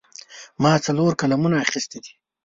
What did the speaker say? ما څلور قلمونه اخیستي دي.